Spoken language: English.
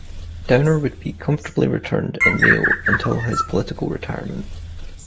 Downer would be comfortably returned in Mayo until his political retirement.